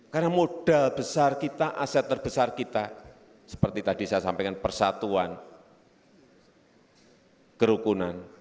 karena modal besar kita aset terbesar kita seperti tadi saya sampaikan persatuan kerukunan